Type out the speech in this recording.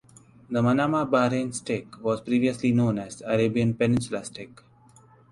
The Manama Bahrain Stake was previously known as the Arabian Peninsula Stake.